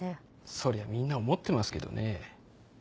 そりゃみんな思ってますけどね。